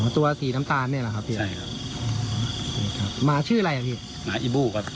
ตัวสีน้ำตาลนี่แหละครับสีอะไรครับหมาชื่ออะไรอ่ะพี่หมาอีบูครับ